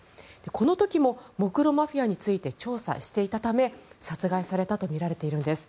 この時もモクロ・マフィアについて調査していたため殺害されたとみられているんです。